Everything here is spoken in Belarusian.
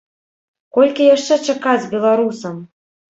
Колькі яшчэ чакаць беларусам?